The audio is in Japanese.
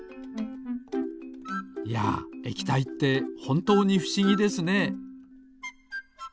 いや液体ってほんとうにふしぎですね。